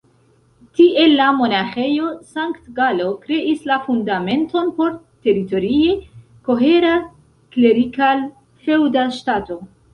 Tiel la Monaĥejo Sankt-Galo kreis la fundamenton por teritorie kohera klerikal-feŭda ŝtato.